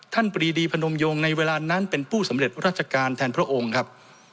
ปรีดีพนมโยงในเวลานั้นเป็นผู้สำเร็จราชการแทนพระองค์ครับ